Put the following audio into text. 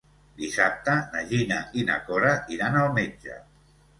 Dissabte na Gina i na Cora iran al metge.